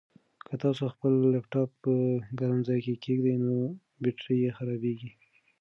که تاسو خپل لپټاپ په ګرم ځای کې کېږدئ نو بېټرۍ یې خرابیږي.